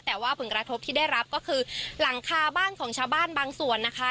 แต่ว่าผลกระทบที่ได้รับก็คือหลังคาบ้านของชาวบ้านบางส่วนนะคะ